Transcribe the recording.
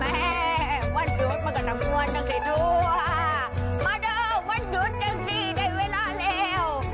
มาเดิมวันหยุดจังสีในเวลาแล้ว